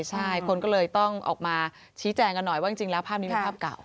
ใช่คนก็เลยต้องออกมาชี้แจงกันหน่อยว่าจริงแล้วภาพนี้เป็นภาพเก่า